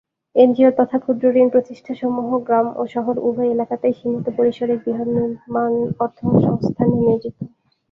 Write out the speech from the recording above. NGO তথা ক্ষুদ্রঋণ প্রতিষ্ঠানসমূহ গ্রাম ও শহর উভয় এলাকাতেই সীমিত পরিসরে গৃহনির্মাণ অর্থসংস্থানে নিয়োজিত।